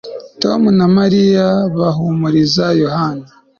Tom na Mariya bahumuriza Yohana